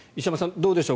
どうでしょう？